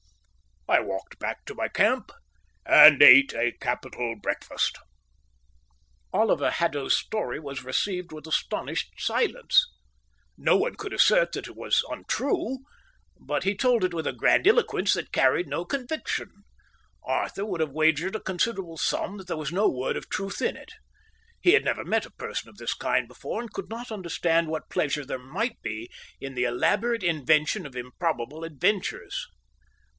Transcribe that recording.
I walked back to my camp and ate a capital breakfast." Oliver Haddo's story was received with astonished silence. No one could assert that it was untrue, but he told it with a grandiloquence that carried no conviction. Arthur would have wagered a considerable sum that there was no word of truth in it. He had never met a person of this kind before, and could not understand what pleasure there might be in the elaborate invention of improbable adventures.